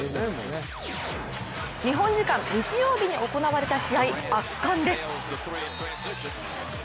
日本時間、日曜日に行われた試合、圧巻です。